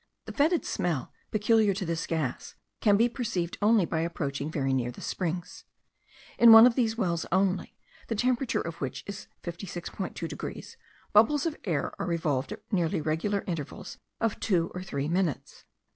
The fetid smell, peculiar to this gas, can be perceived only by approaching very near the springs. In one of these wells only, the temperature of which is 56.2 degrees, bubbles of air are evolved at nearly regular intervals of two or three minutes.